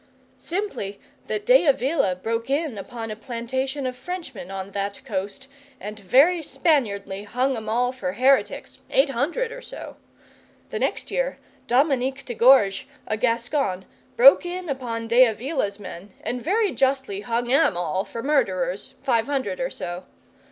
'"Simply that De Avila broke in upon a plantation of Frenchmen on that coast, and very Spaniardly hung them all for heretics eight hundred or so. The next year Dominique de Gorgues, a Gascon, broke in upon De Avila's men, and very justly hung 'em all for murderers five hundred or so.